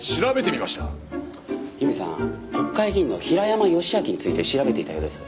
由美さん国会議員の平山義昭について調べていたようです。